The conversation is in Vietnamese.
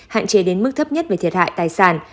hạn chế đến mức thấp nhất về thiệt hại tài sản